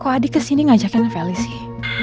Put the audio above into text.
kok adi kesini ngajakin felis sih